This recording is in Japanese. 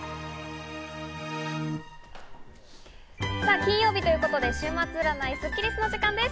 金曜日ということで、週末占いスッキりすの時間です。